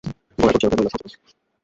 গোরা গর্জিয়া উঠিয়া কহিল, সংশোধন!